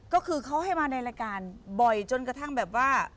ก็คือเขาให้มาในรายการบ่อยจนกระทั่งแบบว่า